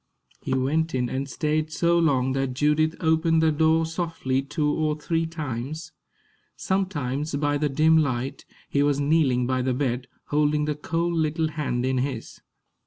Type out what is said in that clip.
He went in and stayed so long that Judith opened the door softly two or three times. Sometimes, by the dim light, he was kneeling by the bed, holding the cold little hand in his.